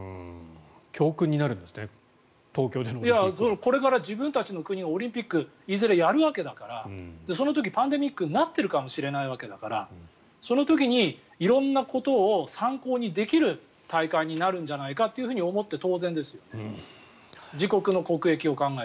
これから自分たちの国がオリンピックをいずれやるわけだからその時、パンデミックになっているかもしれないわけだからその時に色んなことを参考にできる大会になるんじゃないかと皆さんにご質問を頂きました。